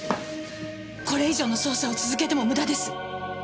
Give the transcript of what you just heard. これ以上の捜査を続けても無駄です。